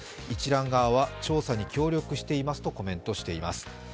一蘭側は調査に協力していますとコメントしています。